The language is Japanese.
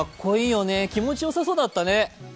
気持ちよさそうだったね。